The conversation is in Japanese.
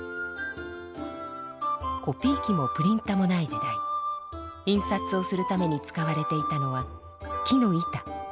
コピー機もプリンタもない時代印刷をするために使われていたのは木の板。